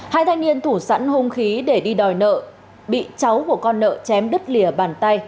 hai thanh niên thủ sẵn hông khí để đi đòi nợ bị cháu của con nợ chém đứt lìa bàn tay